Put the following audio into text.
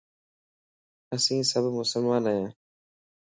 اسين سڀ مسلمان ايان